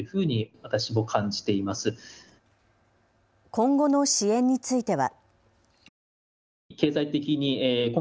今後の支援については。